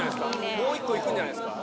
もう１個いくんじゃないですか？